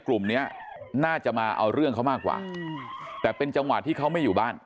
กลุ่มเนี้ยน่าจะมาเอาเรื่องเขามากกว่าแต่เป็นจังหวะที่เขาไม่อยู่บ้าน